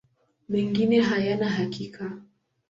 Mengine hayana hakika.